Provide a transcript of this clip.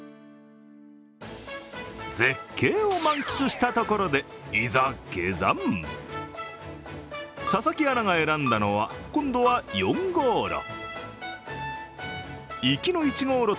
絶景を満喫したところで、いざ下山佐々木アナが選んだのは、今度は４号路。